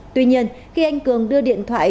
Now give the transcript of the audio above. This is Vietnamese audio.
tuy nhiên khi anh cường đưa điện thoại